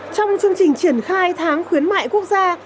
trong chương trình triển khai tháng khuyến mại quốc gia